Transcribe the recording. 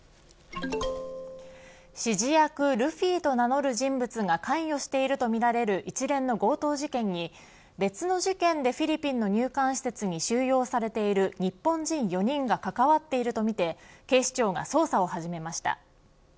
指示役ルフィと名乗る人物が関与しているとみられる一連の強盗事件に別の事件でフィリピンの入管施設に収容されている日本人４人が関わっているとみて警視庁が捜査を始めました。